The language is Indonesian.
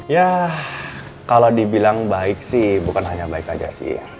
ya kalau dibilang baik sih bukan hanya baik aja sih